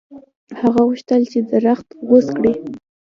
هغه غوښتل چې درخت غوڅ کړي.